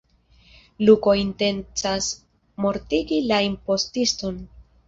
Luko intencas mortigi la impostiston.